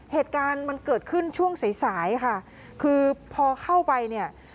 เหตุการณ์มันเกิดขึ้นช่วงสายสายค่ะคือพอเข้าไปเนี่ย